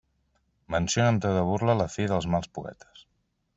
Menciona amb to de burla la fi dels mals poetes.